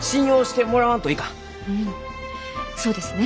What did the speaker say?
うんそうですね。